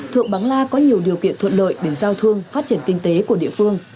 thượng bang la có nhiều điều kiện thuận lợi để giao thương phát triển kinh tế của địa phương